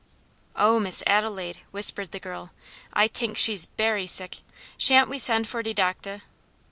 "Oh, Miss Adelaide!" whispered the girl, "I tink she's berry sick; shan't we send for de doctah?"